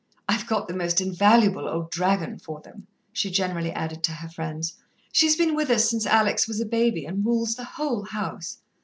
I've got the most invaluable old dragon for them," she generally added to her friends. "She's been with us since Alex was a baby, and rules the whole house."